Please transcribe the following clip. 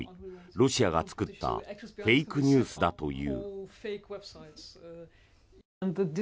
ロシアが作ったフェイクニュースだという。